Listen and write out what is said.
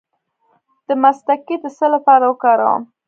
د مصطکي د څه لپاره وکاروم؟